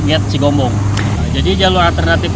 gate sigombong jadi jalur alternatif